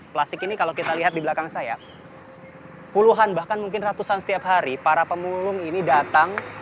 plastik ini kalau kita lihat di belakang saya puluhan bahkan mungkin ratusan setiap hari para pemulung ini datang